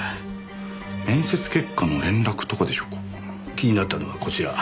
気になったのはこちら。